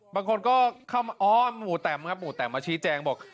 บางคนก็เข้ามาอ๋อหมู่แต่มครับหมู่แตมมาชี้แจงบอก